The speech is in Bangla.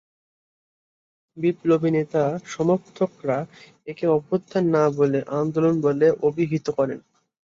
বিপ্লবী নেতা সমর্থকরা একে অভ্যুত্থান না বলে আন্দোলন বলে অবিহিত করেন।